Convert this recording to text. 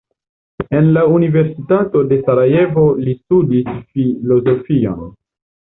En la Universitato de Sarajevo li studis filozofion.